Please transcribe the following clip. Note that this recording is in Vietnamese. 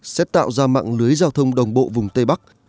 sẽ tạo ra mạng lưới giao thông đồng bộ vùng tây bắc